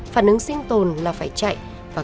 phản ứng sinh tồn là phải chạy